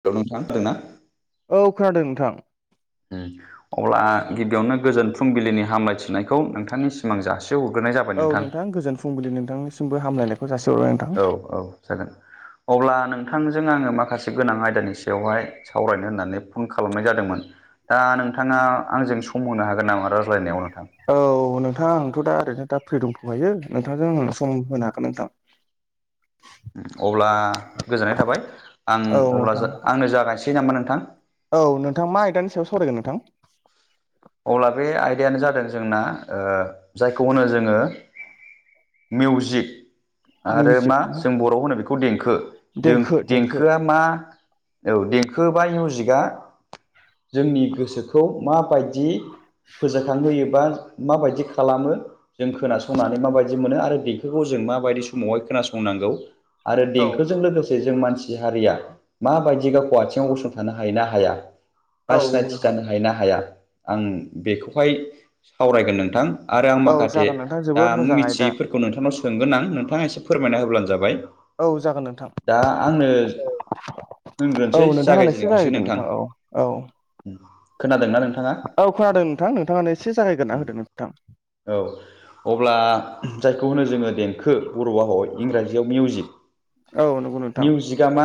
Hello नोंथां खोनादोंना? औ खोनादों नोंथां उम अब्ला गिबियावनो गोजोन फुंबिलिनि हामलायथिनायखौ नोंथांनिसिम आं जासियाव हरग्रोनाय जाबाय। औ नोंथां गोजोन फुंबिलि नोंथांनिसिमबो हामलायनायखौ जासि हरबाय नोंथां औ-औ जागोन अब्ला नोंथांजों आङो माखासे गोनां आयदानि सायावहाय सावरायनो होननानै फन खालामनाय जादोंमोन। दा नोंथाङा आंजों सम होनो हागोन नामा रायज्लायनायाव नोंथां औ नोंथां आंथ' दा ओरैनो दा फ्रि दंथ'खायो नोंथांजों सम होनो हागोन नोंथां [inaudible] अब्ला गोजोननाय थाबाय आं औ अब्ला नोंथां आंनो जागायनोसै नामा नोंथां औ नोंथां मा आयदानि सायाव सावरायगोन नोंथां? अब्ला बे आयदायानो जादों जोंना ओ जायखौ होनो जोङो मिउजिक आरो मिउजिक मा जों बर'आव होनो बेखौ दें देंखो देंखो देंखोआ मा औ देंखो बा मिउजिकआ जोंनि गोसोखौ माबायदि फोजाखांहोयोबा माबायदि खालामो जों खोनासंनानै माबायदि मोनो आरो बेफोरखौ जों माबायदि समावहाय खोनासंनांगौ आरो औ देंखोजों लोगोसे जों मानसि हारिया माबायदि गावखौ आथिङाव गसंथानो हायो ना हाया बा औ नंगौ सिनायथि नोंथां जानो हायो ना हाया आं बेखौहाय सावरायगोन नोंथां। आरो आं औ माखासे जागोन नोंथां दा जोबोद मोजां आयदा मिथियैफोर खौ नोंथांनाव सोंगोन आं नोंथाङा एसे फोरमायना होब्लानो जाबाय औ जागोन नोंथां दा आंनो औ होनग्रोनोसै नोंथाङानो एसे जागायजेनग्रोसै जागायग्रोदो नोंथां औ औ खोनादोंना नोंथांङा औ खोनादों नोंथां नोंथाङानो एसे जागायग्रना होदों नोंथां औ अब्ला जायखौ होनो जोंङो देंखो बर' हाव इंराजियाव मिउजिक औ नंगौ नोंथां बिगामा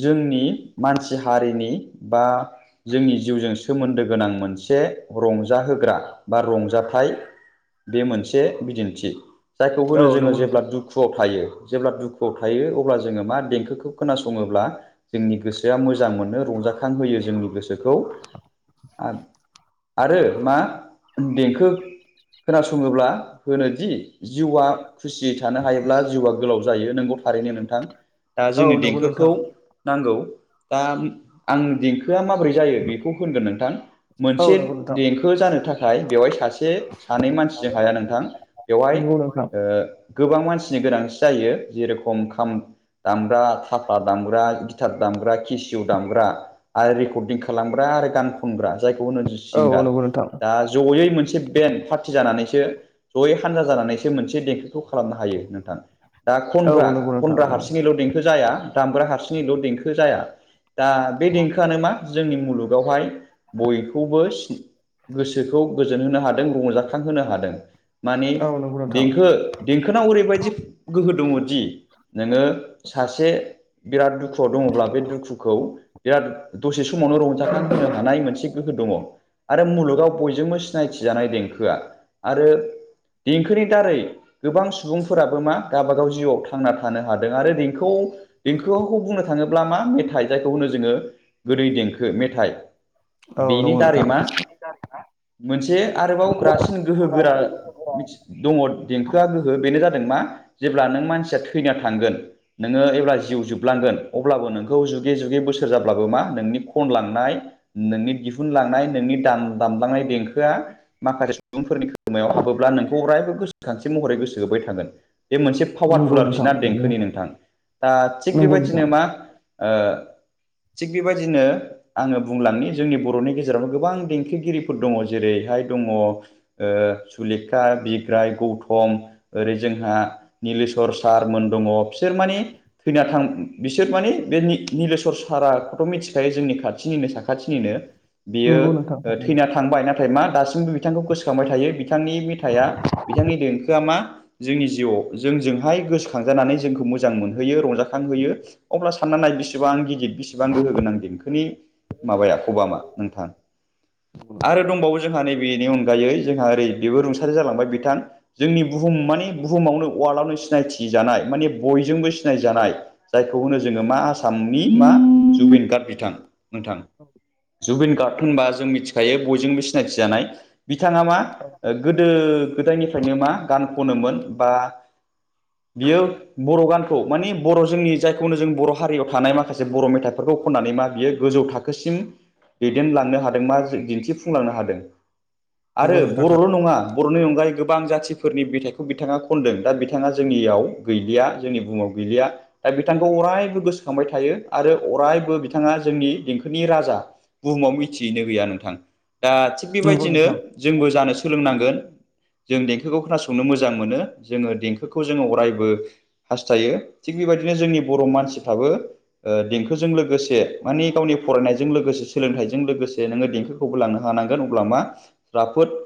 जोंनि मानसि हारिनि बा जोंनि जिउजों सोमोन्दो गोनां मोनसे से रंजाहोग्रा बा रंजााथाइ बे मोनसे बिदिन्थि जायखौ औ होनो जोङो नंगौ नोंथां जेब्ला दुखुआव थायो जेब्ला दुखुआव थायो अब्ला जोंङो मा देंखोखौ खोनासङोब्ला जोंनि गोसोआ मोजां मोनो रंजाखांहोयो जोंनि गोसोखौ आरो मा देंखो खोनासंङोब्ला होनोदि जिउआ खुसियै थानो हायोब्ला जिउआ गोलाव जायो नोंगौ थारैनो नोंथां दा औ जोंनि नंगौ नोंथां देंखोखौ नांगौ दा आं देंखोआ माब्रै जायो बेखौ होनगोन नोंथां औ मोनसे नंगौ नोंथां देंखो जानो थाखाय नाथाय बेवहाय सासे सानै मानसिजों हाया नोंथां बेवहाय नंगौ नोंथां गोबां मानसिनि गोनांथि जायो जेरेखम खाम दामग्रा थाफा दामग्रा गिटार दामग्रा केसिउ दामग्रा आरो रेकर्डिं खालामग्रा आरो गान खनग्रा जायखौ होनो औ सिंगार नंगौ नोंथां दा जयै मोनसे बेन पार्टि जानानैसो जयै हानजा जानानैसो मोनसे देंखोखौ खालामनो हायो नोंथां दा औ खनग्रा नंगौ नोंथां खनग्रा नंगौ हारसिङैल' देंखो जाया दामग्रा हारसिङैल' देंखो जाया दा बे देंखोआनो मा जोंनि मुलुगावहाय बयखौबो गोसोखौ गोजोन होनो हादों रंजाखांहोनो हादों माने औ नंगौ नोंथां देंखो देंखोनाव ओरैबायदि गोहो दंङोदि नोङो सासे बिराद दुखुआव दंङोब्ला बे दुखुखौ बिराद दसे समावनो रंजाखां होनो हानाय मोनसे दंङो आरो मुलुगाव बयजोंबो सिनायथि जानाय देंखोआ आरो देंखोनि दारै गोबां सुबुंफोराबो मा गावबागाव जिउआव थां थांना थानो हादों आरो देंखोखौ बुंनो थांङोबा जब्ला मा मेथाइ जायखौ होनो जोंङो गोदै देंखो मेथाइ औ बेनि नंगौ दारै नोंथां मा मोनसे आरोबाव ग्रासिन गोहो गोरा मिथि दङ देंखोआ गोहो बेनो जादों मा जेब्ला नों मानसिया थैना थांगोन नोंङो एब्ला जिउ जोबलांगोन अब्लाबो नोंखौ जुगे जुगे बोसोर जाब्लाबो मा नोंनि खनलांनाय नोंनि दिहुनलांनाय नोंनि दाम दामलांनाय देंखोआ माखासे सुबुंफोरनि खोमायाव हाबोब्ला नोंखौ अरायबो गोसोखानथि महरै गोसो होबाय थागोन बेे मोनसे नंगौ पावारफुल आरोखि नोंथां ना देंखोनि नोंथां दा थिग नंगौ नोंथां बेबायदिनो मा थिग बेबायदिनो आंङो बुंलांनो जोंनि बर'नि गेजेरावनो गोबां देंखोगिरिफोर दंङो जेरैहाय दंङो सुलेखा बिग्राय गौथम ओरै जोंहा निलेशवर सारमोन दंङो बिसोर माने थैना थां बिसोर माने बे निलेस्वर साराखौथ' मिथिखायो जोंनि खाथिनिनो साखाथि निनो बियो नंगौ नोंथां थारैनो थैना थांबाय ना नाथाय मा दासिमबो बिथांखौ गोसोखांबाय थायो बिथांनि मेथाइआ बिथांनि देंखोआ मा जोंनि जिउआव जोंजोंहाय गोसोखांजानानै जोंखौ मोजां मोनहोयो रंजाखांहोयो अब्ला साननानै नाय बेसेबां गिदिर बेसेबां गोहोगोनां देंखोनि माबाया खबामा नोंथां आरो दंबावो जोंहा नैबेनि अनगायै जोंहा ओरै बेबो रुंसारि जालांबाय बिथां जोंनि बुहुम माने बुहुमावनो वार्ल्डआवनो सिनायथि जानाय माने बयजोंबो सिनायजानाय जायखौ होनो जोङो मा आसामनि मा जुबिन गार्ड बिथां नोंथां जुबिन गार्ड होनबा जों मिथिखायो बयजोंबो सिनायथि जानाय बिथाङा मा गोदो गोदायनिफ्रायनो मा गान खनोमोन बा बियो बर' गानखौ माने बर' जोंनि जायखौनो जों बर' हारियाव थानाय माखासे बर' मेथाइ फोरखौ खननानै मा बियो गोजौ था खोसिम दैदेनलांनो हादों बा दिन्थिफुंलांनो हादों आरो नंगौ नोंथां बर'ल' नङा बर'नि अनगायै गोबां जाथिफोरनि बिथथाइखौ बिथाङा खनदों दा बिथाङा जोंनियाव गैलिया जोंनि बुहुमाव गैलिया दा बिथांखौ अरायबो गोसोखांबाय थायो आरो अरायबो बिथाङा जोंनि दें खोनि राजा बुहुमाव मिथियैनो गैया नोंथां दा थिग नंगौ बेबायदिनो नोंथां जोंबो जानो सोलोंनांगोन जों देंखोखौ खोनासंनो मोजां मोनो जोंङो देंखोखौ जोंङो अरायबो हास्थायो थिग बेबायदिनो जोंनि बर' मानसिफ्राबो देंखोजों लोगोसे मानि गावनि फरायनायजों लोगोसे सोलोंथाइजों लोगोसे नोङो देंखोखौबो लांनो हानांगोन अब्ला मा राफोद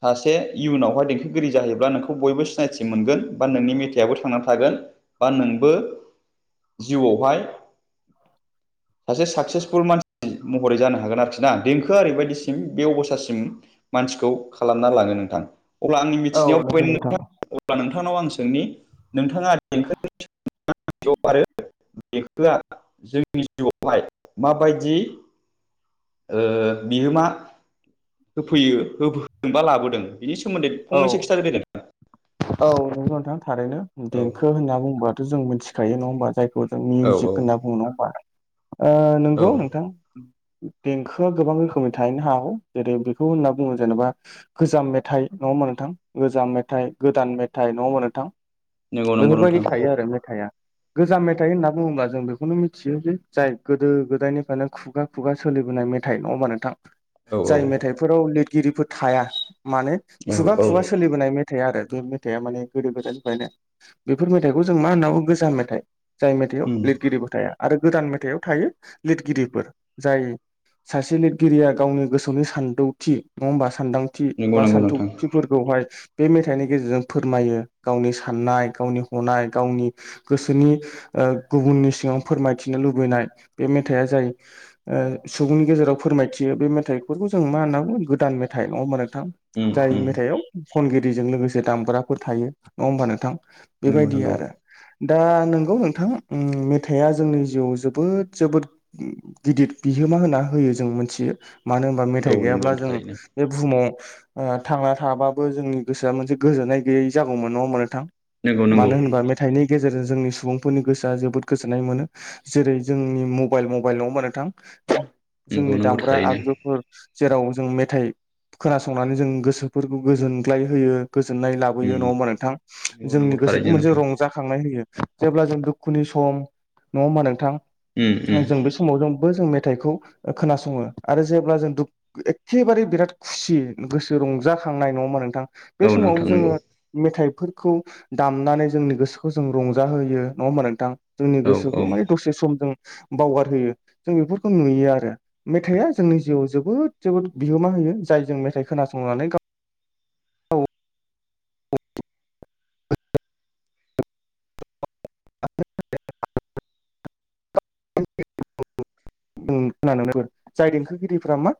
सासे इयुनावहाय देंखोगिरि जाहैब्ला नोंखौ बयबो सिनायथि मोनगोन बा नोंनि मेथाइयाबो थांनानै थागोन बा नोंबो जिउआवहाय सासे साक्सेसफुल मानसि महरै जानो हागोन आरोखि ना देंखोआ ओरैबायदिसिम बे अबस्था सिम मानसिखौ खालामना लाङो नोंथां अब्ला आंनि औ मिथिनायाव नंगौ नोंथां अब्ला नोंथांनाव आं सोंनि नोंथाङा देंखौनि आरो देंखौआ जोंनि जिउआवहाय माबायदि ओ बिहोमा होफैयो होफैदोंबा लाबोदों बिनि सोमोन्दै औ फंनैसो खिथाना होदो औ नंगौ नोंथां थारैनो देंखो औ होनना बुंङोबाथ' जों मिथिखायो नङा होनोमबा जाय खौ जों औ औ मिउजिक होनना बुङो नङा होमबा नंगौ औ नोंथां देंखोआ गोबां रोखोमनि थाहैनो हागौ जेरै बेखौ होनना बुङो जेनेबा गोजाम मेथाइ नङा होमबा नोंथां गोजाम मेथाइ गोदान मेथाइ नङा होमबा नोंथां नंगौ नंगौ बेफोरबायदि नोंथां थायो आरो मेथाइआ गोजाम मेथाइ होनना बुङोबा जों बेखौनो मिथियो जे जाय गोदो गोदायनिफ्रायनो खु खुगा खुगा सोलिबोनाय मेथाइ नङा होमबा नोंथां औ औ जाय मेथाइफोराव लिरगिरिफोर थाया माने औ खुगा औ खुगा सोलिबोनाय मेथाइ आरो बे मेथाइआ माने गोदो गोदान जायना बेफोर मेथाइखौ जों मा होननांगौ गोजाम मेथाइ जाय मेथाइआव उम लिरगिरिबो थाया आरो गोदान मेथाइआव थायो लिरगिरिफोर जाय सासे लिरगिरिया गावनि गोसोनि सानदौथि नङा होमबा सानदां थि नंगौ बा नंगौ नोंथां सानथौथिफोरखौहाय बे मे थाइनि गेजेरजों फोरमायो गावनि साननाय गावनि हनाय गावनि गोसोनि गुबुननि सिङाव फोरमायथिनो लुबैनाय बे मेथाइआ जायो ओ सुबुंनि गेजेराव फोरमायथियो बे मेथाइफोरखौ जों मा होनना बुङो गोदान मेथाइ नङा होमबा नोंथां उम जाय उम मेथाइआव खनगिरिजों लोगोसे दामग्राफोर थायो नङा होमबा नोंथां नंगौ बेबायदि नंगौ आरो दा नंगौ नोंथां मेथाइआ जोंनि जिउआव जोबोद जोबोद गिदिर बिहोमा होनना होयो जों मोनथियो मानो होनबा औ मेथाइ नंगौ गैयाब्ला जों थारैनो बे बुहुमाव थांना थाबाबो जोंनि गोसोआ मोनसे गोजोननाय गैयै जागौमोन नङा होमबा नोंथां नंगौ नंगौ मानो होनबा मेथाइनि गेजेरजों जोंनि सुबुंफोरनि गोसोआ जोबोद गोजोननाय मोनो जेरै जोंनि मबाइल मबाइल नङ होमा नोंथां नंगौ जोंनि नंगौ दामग्रा थारैनो आगजुफोर जेराव जों मेथाइ खोनासंनानै जों गोसोफोरखौ गोजोन गोग्लाय होयो गोजोननाय लाबोयो उम नङा होमबा नोंथां नंगौ नंगौ जोंनि गोसोखौ थारैनो मोनसे नोंथां रंजा जेब्ला जों दुखुनि सम नंङा होनबा नोंथां उम उम जों समाव जोंबो जों मेथाइखौ खोनासङो आरो जेब्ला जों दुु एखेबारे बिराद खुसि गोसो रंजाखांनाय नङामा नोंथां बे औ समाव नोंथां जोङो नंगौ मेथाइफोरखौ दामनानै जोंनि गोसोखौ जों रंजाहोयो नंङा होमबा नोंथां जोंनि औ गोसोखौ औ माने दसे सम जों बावगारहोयो जों बेफोरखौ नुयो आरो मेथाइआ जोंनि जिउआव जोबोद जोबोद बिहोमा होयो जाय जों मेथाइ खोनासंनानै गाव गाव [unintelligible] [unintelligible] खुंनो जाय देंखोगिरिफोरा मा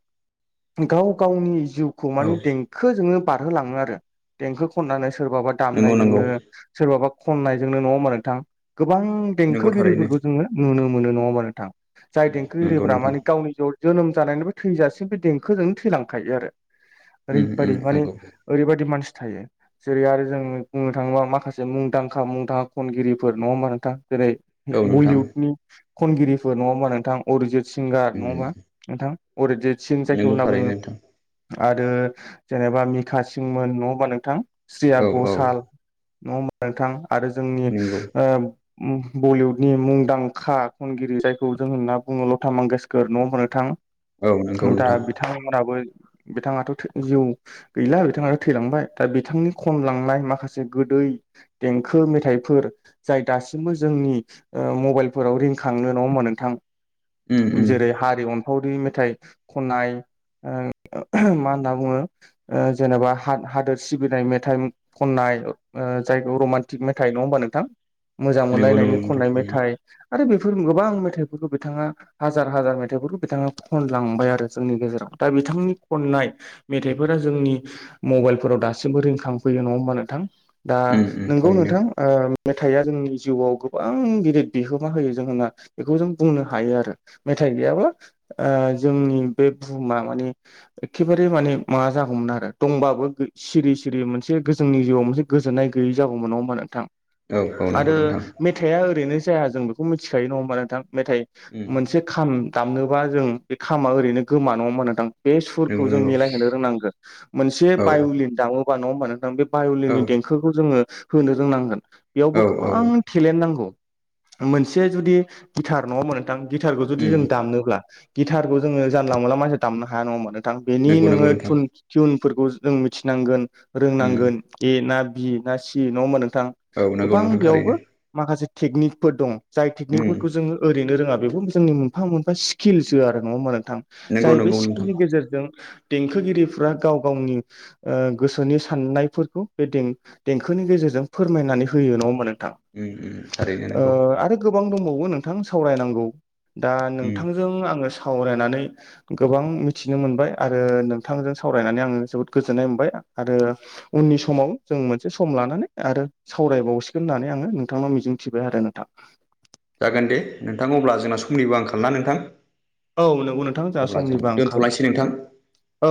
गाव गावनि जिउ खौ औ माने देंखोजोंनो बारहोलाङो आरो देंखो खननानै सोरबाबा नंगौ नंगौ दामनायजोंनो सोरबाबा खननायजोंनो न' मा नोंथां गोबां नंगौ थारैनो देंखोगिरिफोरखौ जोंङो नुनो मोनो नङाोमा नोंथां जाय उम नंगौ देंखोगिरिफ्रा नोंथां माने गावनि ज' जोनोम जानायनिबो थैजासिम बे देंखोजोंनो थैलांखायो आरो उम ओरैबायदि उम माने नंगौ ओरैबायादि मानसि थायो जेरै आरो जों बुंनो थाङोब्ला माखासे मुंदांखा मुंदांखा खनगिरिफोर नङा होमबा नोंथां जेरै औ नोंथां बलिउदनि खनगिरिफोर नङा हा नोंथां अरिजित सिंगार नङा उम होनबा नोंथां अरजिदसिन जायखौ नंगौ होनना थारैनो बुंङो नोंथां आरो जेनेबा मिखा सिंमोन नंङा होनबा नोंथां स्रिया औ औ गसाल न'आव नोंथां आरो जोंनि नंगौ बलिउनि मुंदांखा खनगिरि जायखौ जों होनना बुंङो लथा मांगेसकर न' मोननो औ नंगौ थां दा नोंथां बिथांमोनाबो बिथाङाथ' जिउ गैला बिथाङाथ आरो थैलांबाय दा बिथांनि खमलांनाय माखासे गोदै देंखो मेथाइफोर जाय दासिमबो जोंनि मबाइलफोराव रिंखांनो नङा हा नोंथां उम उम जेरै हारि अनफावरि मेथाइ खन्नाय मा होनना बुंङो जेनेबा हादोर सिबिनाय मेथाइ खननाय जायखौ रमान्टिक मेथाइ नङा होमबा नोंथां मोजां नंगौ नंगौ मोनलायनायनि नोंथां खननाय थारैनो मेथाइ आरो बेफोर गोबां मेथाइफोरखौ बिथांङा हाजार हाजार मेथाइफोरखौ बिथाङा खनलांबाय आरो जोंनि गेजेराव दा बिथांनि खननाय मेथाइफोरा जोंनि मबाइलफोराव दासिमबो रिखांफैयो नङा होमबा नोंथां दा उम उम नोंगौ थारैनो नोंथां मेथाइआ जोंनि जिउआव गोबां गिदिर बिहोमा होयो जों होनना बेखौ जों बुंनो हायो आरो मेथाइ गैयाब्ला जोंनि बे बुहुमा माने एखेबारे माने माबा जागौमोन आरो दंबाबो सिरि सिरि मोनसे गोजोंनि जिउआव मोनसे गोजोननाय गैयै जागौमोन नंङा होमा नोंथां औ औ आरो नंगौ नोंथां मेथाइआ ओरैनो जाया जों बेखौ मिथिखायो नङा हबा नोंथां मेथाइ उम मोनसे खाम दामनोबा जों बे खामा ओरैनो गोमा नङा ओमबा नोंथां बे सुरखौ नंगौ जों नंगौ मिलायहोनो रोंनांगो मोनसे औ बायलिन दामोबा नङा होमबा नोंथां औ बायलिनि देंखोखौ जोङो होनो रोंनांगोन बेयावबो औ औ गोबां टेलेन्ट नांगौ मोनसे जुदि गिटार नङा ओमबा नो थां गिटारखौ जुदि उम जों दामोबब्ला गिटारखौ जोङो जानला मोनला मानसि दामनो हाया नङा ओमबा नों थां बेनि नंगौ नंगौ नोंङो नोंथां टिुनफोरखौ जों मिथिनांगोन उम रोंनांगोन ए ना बि ना सि नंङामोन नोंथां औ नंगौ गोबां नोंथां बेयावबो थारैनो माखासे टेकनिकफोर दं जाय उम टेकनिकफोरखौ जोङो ओरैनो रोङा बेखौ जोंनि मोनफा मोनफा स्किल्सो आरो नङा होनबा नोंथां नंगौ जाय बे नंगौ नोंथां स्किमनि गेजेरजों देंखोगिरिफोरा गाव गावनि गोसोनि साननायफोरखौ बे देंखोनि गेजेरजों फोरमायनानै होयो नङा होनबा नोंथां उम उम थारैनो ओ नंगौ आरो गोबां दंबावो नोंथां सावरायनांगौ दा उम नोंथांजों आङो सावरायनानै गोबां मिथिनो मोनबाय आरो नोंथांजों सावरायनानै आङो जोबोद गोजोननाय मोनबाय आरो उननि समाव जों मोनसे सम लानानै आरो सावरायबावसिगोन होननानै आङो नोंथांनाव मिजिंथिबाय आरो नोंथां। जागोन दे नोंथां अब्ला जोंना समनिबो आंखाल ना नोंथां औ नंगौ नोंथां जोंहा अब्ला जों समनिबा आंखाल दोनथ'लायसै नोंथां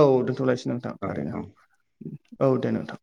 औ दोनथ'लायसै नोंथां औ थारैनो औ औ दे नोंथां।